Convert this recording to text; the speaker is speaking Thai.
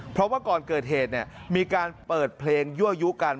เพราะว่าก่อนเกิดเหตุมีการเปิดเพลงยั่วยุกัน